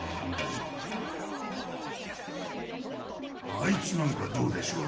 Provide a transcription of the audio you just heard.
あいつなんかどうでしょう？